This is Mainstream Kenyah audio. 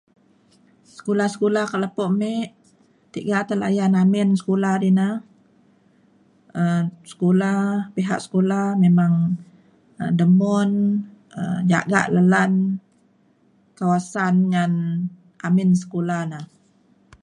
Sekula sekula ka lepo mek tiga ta layan lamin ina um sekula pihak sekula memang demun jaga' lelan kawasan ngan lamin sekula da.